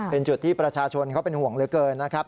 เป็นจุดที่ประชาชนเขาเป็นห่วงเหลือเกินนะครับ